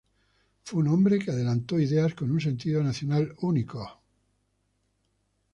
Fue un hombre que adelantó ideas con un sentido nacional único.